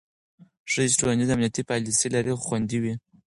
ښځې چې ټولنیز امنیتي پالیسۍ لري، خوندي وي.